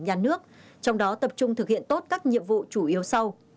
nhà nước trong đó tập trung thực hiện tốt các nhiệm vụ chủ yếu sau